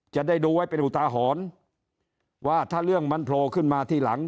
จะได้ดูไว้เป็นอุทาหรณ์ว่าถ้าเรื่องมันโผล่ขึ้นมาทีหลัง